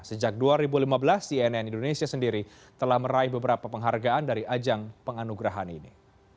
sejak dua ribu lima belas cnn indonesia sendiri telah meraih beberapa penghargaan dari ajang penganugerahan ini